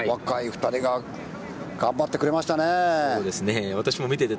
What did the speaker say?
初マラソンの若い２人が頑張ってくれましたね。